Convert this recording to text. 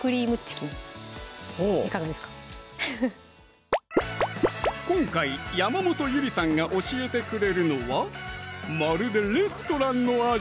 いかがですか今回山本ゆりさんが教えてくれるのはまるでレストランの味！